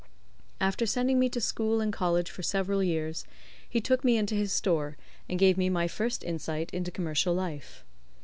After sending me to school and college for several years, he took me into his store, and gave me my first insight into commercial life.